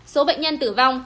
số bệnh nhân tử vong